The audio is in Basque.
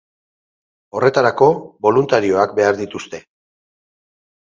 Horretarako, boluntarioak behar dituzte.